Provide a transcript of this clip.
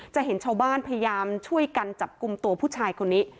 เห็นชาวบ้านพยายามช่วยกันจับกลุ่มตัวผู้ชายคนนี้